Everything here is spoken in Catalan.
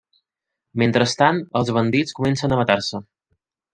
Mentrestant, els bandits comencen a matar-se.